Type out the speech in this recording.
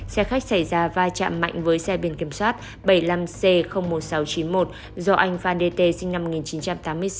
xe khách xảy ra vai trạm mạnh với xe biên kiểm soát bảy mươi năm c một nghìn sáu trăm chín mươi một do anh phan đê tê sinh năm một nghìn chín trăm tám mươi sáu